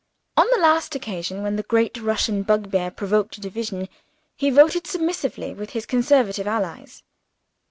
On the last occasion when the great Russian bugbear provoked a division, he voted submissively with his Conservative allies.